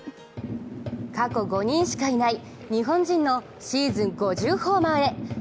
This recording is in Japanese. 過去５人しかいない日本人のシーズン５０ホーマーへ。